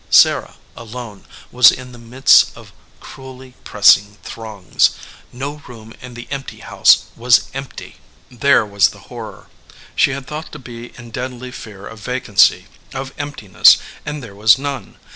Sarah, alone, was in the midst of cruelly pressing throngs. No room in the empty house was empty. There was the horror. She had thought to be in deadly fear of vacancy, of emptiness, and there was none.